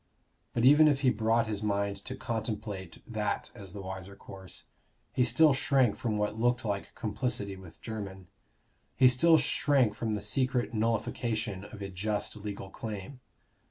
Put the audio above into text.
But even if he brought his mind to contemplate that as the wiser course, he still shrank from what looked like complicity with Jermyn; he still shrank from the secret nullification of a just legal claim.